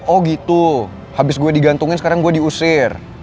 oh gitu habis gue digantungin sekarang gue diusir